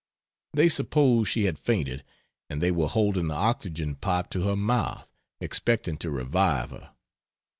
They supposed she had fainted, and they were holding the oxygen pipe to her mouth, expecting to revive her.